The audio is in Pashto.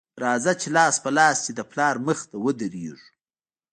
راځه چې لاس په لاس دې د پلار مخې ته ودرېږو